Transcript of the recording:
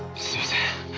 すみません。